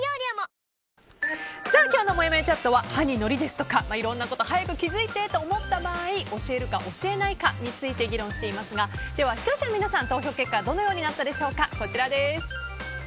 今日のもやもやチャットは歯にのりですとかいろんなこと気づいてと思った場合教えるか教えないかについて議論していますがでは視聴者の皆さんの投票結果はこちらです。